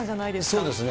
そうですね。